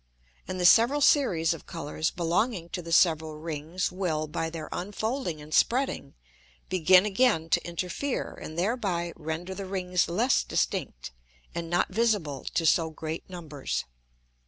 And the several Series of Colours belonging to the several Rings, will, by their unfolding and spreading, begin again to interfere, and thereby render the Rings less distinct, and not visible to so great numbers.